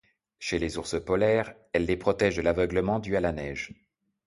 Chez les ours polaires, elle les protège de l'aveuglement dû à la neige.